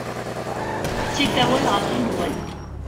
Ttif awal ɣef nnwal.